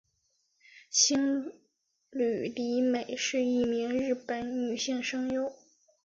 兴梠里美是一名日本女性声优。